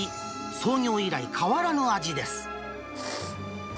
創業以来、変わらぬ味です。